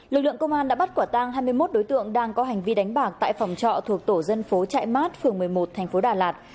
lực lượng công an đã bắt quả tang hai mươi một đối tượng đang có hành vi đánh bạc tại phòng trọ thuộc tổ dân phố trại mát phường một mươi một thành phố đà lạt